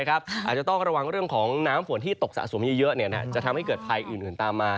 อาจจะต้องระวังเรื่องของน้ำฝนที่ตกสะสมเยอะจะทำให้เกิดภัยอื่นตามมา